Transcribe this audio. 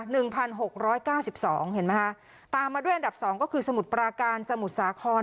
หนึ่งพันหกร้อยเก้าสิบสองเห็นไหมคะตามมาด้วยอันดับสองก็คือสมุทรปราการสมุทรสาคร